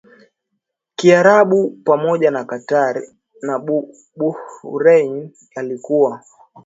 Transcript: Kiarabu pamoja na Qatar na Bahrain yalikuwa